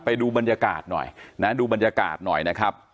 ไปดูบรรยากาศหน่อยนะดูบรรยากาศหน่อยนะครับ